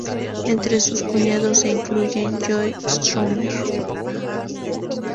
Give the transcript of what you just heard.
Entre sus cuñados se incluyen Joe Strummer.